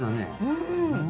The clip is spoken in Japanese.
うん。